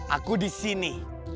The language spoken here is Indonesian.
aku di sini